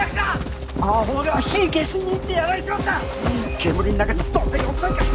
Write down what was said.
煙の中にどんだけおったんか。